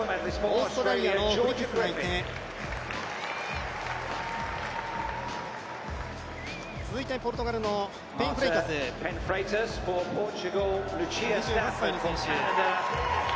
オーストラリアのグリフィスがいて続いてポルトガルのペン・フレイタス２８歳の選手。